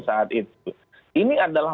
saat itu ini adalah